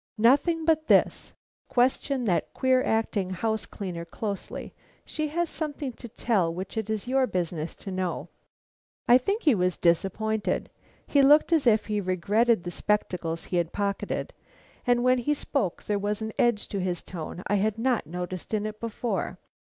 "Nothing but this. Question that queer acting house cleaner closely. She has something to tell which it is your business to know." I think he was disappointed. He looked as if he regretted the spectacles he had pocketed, and when he spoke there was an edge to his tone I had not noticed in it before.